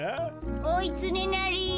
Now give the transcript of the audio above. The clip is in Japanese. おいつねなり。